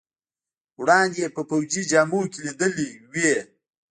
وړاندې یې په پوځي جامو کې لیدلی وې.